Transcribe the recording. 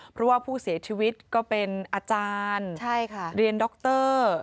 เพราะว่าผู้เสียชีวิตก็เป็นอาจารย์เรียนดร